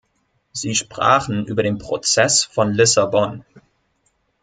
Sie sprachen über den Prozess von Lissabon.